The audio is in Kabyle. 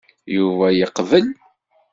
Yuba yeqbel.